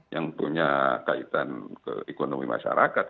yang punya kaitan ke ekonomi masyarakat